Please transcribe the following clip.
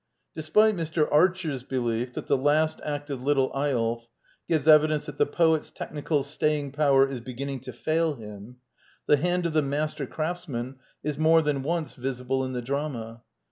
* Despite Mr. Archer's belief that the last act of " Little Eyolf " gives evidence that " the poet's tech nical staying power is beginning to fail him," the hand of the master craftsman is more than once visible in the drama.